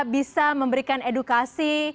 bisa memberikan edukasi